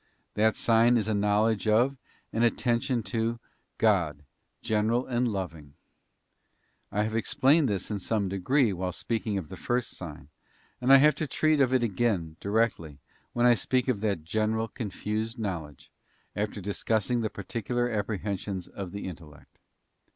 That sign is a knowledge of, and attention to, God, general and loving. I have explained this in some degree while speaking of the first sign; and I have to treat of it again directly, when I speak of that general, confused knowledge, after discussing the particular apprehensions of the intellect.